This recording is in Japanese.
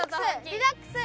リラックス！